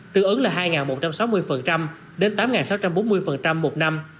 tương ứng là hai một trăm sáu mươi đến tám sáu trăm bốn mươi một năm